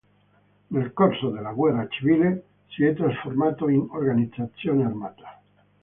Nel corso della guerra civile si è trasformato in organizzazione armata.